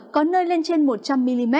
có nơi lên trên một trăm linh mm